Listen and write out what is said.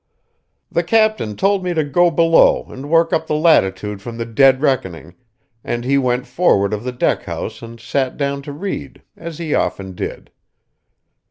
The captain told me to go below and work up the latitude from the dead reckoning, and he went forward of the deck house and sat down to read, as he often did.